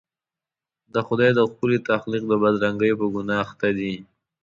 د خدای د ښکلي تخلیق د بدرنګۍ په ګناه اخته دي.